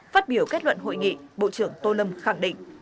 phát biểu kết luận hội nghị bộ trưởng tô lâm khẳng định